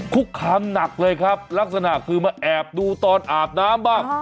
คุกคามหนักเลยครับลักษณะคือมาแอบดูตอนอาบน้ำบ้าง